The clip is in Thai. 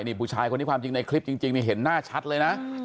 นี่ผู้ชายคนนี้ความจริงในคลิปจริงนี่เห็นหน้าชัดเลยนะ